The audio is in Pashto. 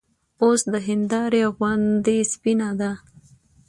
اوس د هېندارې غوندې سپينه ده